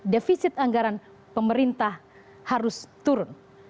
defisit anggaran pemerintah harus turun